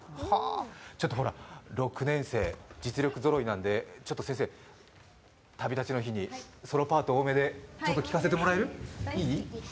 ちょっと６年生、実力ぞろいなんで「旅立ちの日に」、ソロパート多めで聴かせてもらえる？